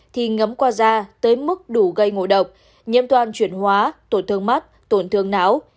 thì ngấm qua da tới mức đủ gây ngộ độc nhiễm toàn chuyển hóa tổn thương mắt tổn thương não